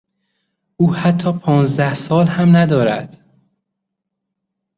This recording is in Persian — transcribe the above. او حتی پانزده سال هم ندارد.